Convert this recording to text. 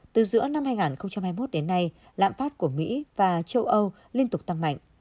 từ giữa năm hai nghìn hai mươi một đến nay lãm phát của mỹ và châu âu liên tục tăng mạnh